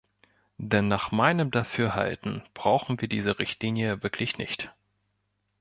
Denn nach meinem Dafürhalten brauchen wir diese Richtlinie wirklich nicht.